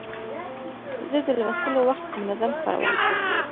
زه د لوستلو وخت منظم کاروم.